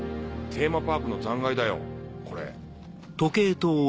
テーマパークの残骸だよこれ。